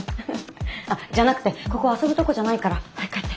あっじゃなくてここ遊ぶとこじゃないから早く帰って。